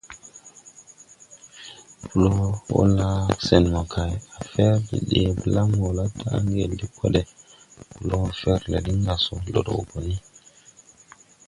Bloon wɔ laa sen mokay, a fɛr de dee blam wɔ la daʼ ngel de kode. Bloon fɛrle lin ga so, lod wɔ gɔ ni.